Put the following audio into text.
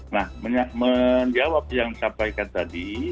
nah menjawab yang disampaikan tadi